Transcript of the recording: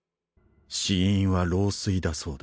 死因は老衰だそうだ。